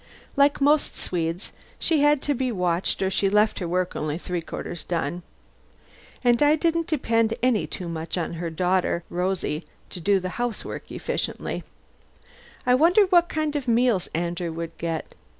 Like most Swedes she had to be watched or she left her work only three quarters done. And I didn't depend any too much on her daughter Rosie to do the housework efficiently. I wondered what kind of meals Andrew would get.